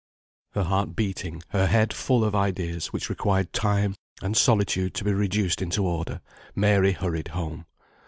Her heart beating, her head full of ideas, which required time and solitude to be reduced into order, Mary hurried home.